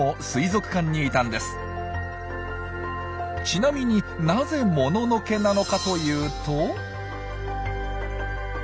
ちなみになぜ「もののけ」なのかというと。